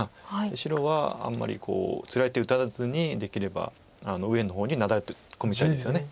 白はあんまりつらい手打たずにできれば右辺の方になだれ込みたいですよね。